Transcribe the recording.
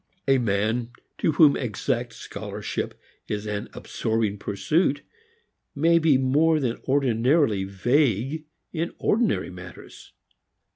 A man to whom exact scholarship is an absorbing pursuit may be more than ordinarily vague in ordinary matters.